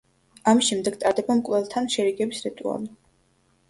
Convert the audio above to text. ამის შემდეგ ტარდება მკვლელთან შერიგების რიტუალი.